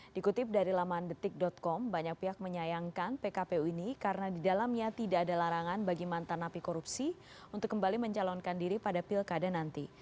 dikutip dari laman detik com banyak pihak menyayangkan pkpu ini karena di dalamnya tidak ada larangan bagi mantan napi korupsi untuk kembali mencalonkan diri pada pilkada nanti